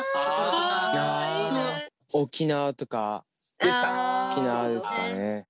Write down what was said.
沖縄とか沖縄ですかね。